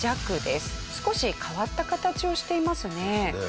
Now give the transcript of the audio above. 少し変わった形をしていますね。